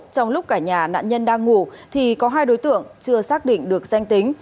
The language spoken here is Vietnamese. trong lúc cả nhà nạn nhân đang ngủ thì có hai đối tượng chưa xác định được danh tính